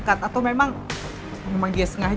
kita semua pasti ikut kena masalah